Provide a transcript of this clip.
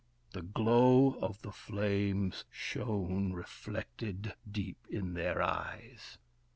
The glow of the flames shone reflected deep in their eyes.